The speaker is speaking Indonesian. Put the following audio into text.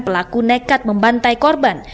pelaku nekat membantai korban